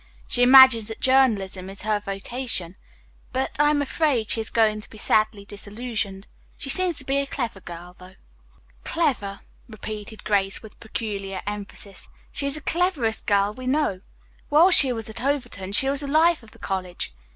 She imagines that journalism is her vocation, but I am afraid she is going to be sadly disillusioned. She seems to be a clever girl, though." "Clever," repeated Grace with peculiar emphasis. "She is the cleverest girl we know. While she was at Overton, she was the life of the college.